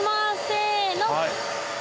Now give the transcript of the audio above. せの。